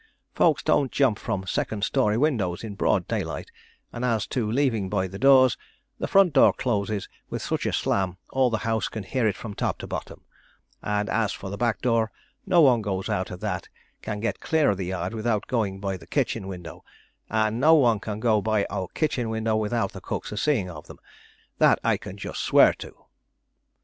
Folks don't jump from second story windows in broad daylight, and as to leaving by the doors, the front door closes with such a slam all the house can hear it from top to bottom, and as for the back door, no one that goes out of that can get clear of the yard without going by the kitchen window, and no one can go by our kitchen window without the cook's a seeing of them, that I can just swear to."